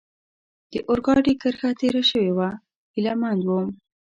د اورګاډي کرښه تېره شوې وه، هیله مند ووم.